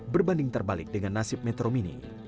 berbanding terbalik dengan nasib metro mini